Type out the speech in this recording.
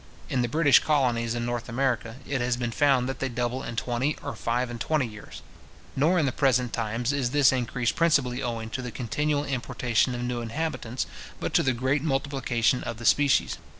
In the British colonies in North America, it has been found that they double in twenty or five and twenty years. Nor in the present times is this increase principally owing to the continual importation of new inhabitants, but to the great multiplication of the species.